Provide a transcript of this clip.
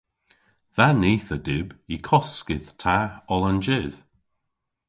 Dha nith a dyb y kosydh ta oll an jydh.